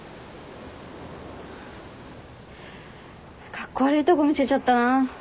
カッコ悪いとこ見せちゃったな。